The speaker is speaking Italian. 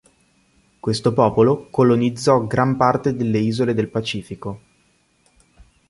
Questo popolo colonizzò gran parte delle isole del Pacifico.